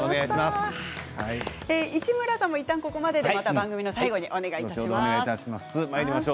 市村さんもいったんここまででまた番組の最後にお願いします。